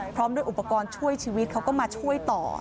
พร้อมด้วยอุปกรณ์ช่วยชีวิตเขาก็มาช่วยต่อ